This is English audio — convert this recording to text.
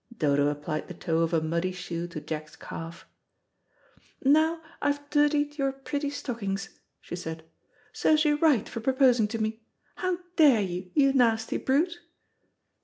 Dodo applied the toe of a muddy shoe to Jack's calf. "Now, I've dirtied your pretty stockings," she said. "Serves you right for proposing to me. How dare you, you nasty brute!"